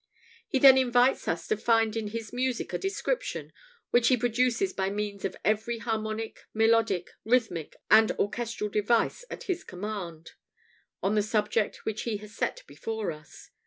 He then invites us to find in his music a description, which he produces by means of every harmonic, melodic, rhythmic, and orchestral device at his command, of the subject which he has set before us.